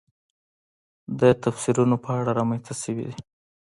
د تفسیرونو په اړه رامنځته شوې دي.